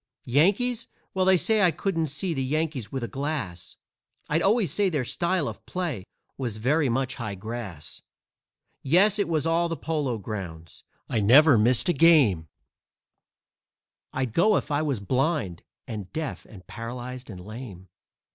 Yankees? Well, say, I couldn't see the Yankees with a glass; I'd always say their style of play was very much high grass. Yes, it was all the Polo Grounds I never missed a game; I'd go if I was blind and deaf and paralyzed and lame.